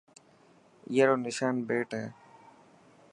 اي رو نشان بيٽ هي.